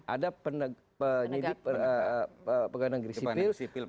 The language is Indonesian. ada penyidik pegawai negeri sipil